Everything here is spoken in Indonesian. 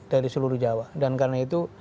dari seluruh jawa dan karena itu